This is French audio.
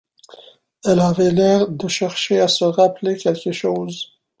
Elle avait l'air de chercher à se rappeler quelque chose.